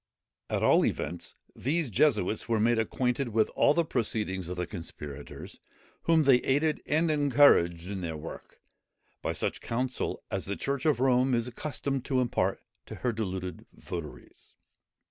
At all events these Jesuits were made acquainted with all the proceedings of the conspirators, whom they aided and encouraged in their work, by such counsel as the church of Rome is accustomed to impart to her deluded votaries.